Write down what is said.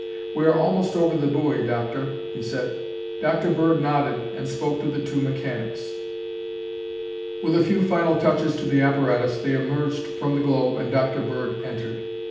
"We are almost over the buoy, Doctor," he said. Dr. Bird nodded and spoke to the two mechanics. With a few final touches to the apparatus they emerged from the globe and Dr. Bird entered.